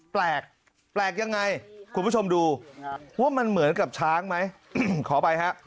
แปลกแปลกยังไงคุณผู้ชมดูว่ามันเหมือนกับช้างไหมขออภัยฮะ